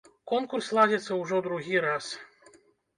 Конкурс ладзіцца ўжо другі раз.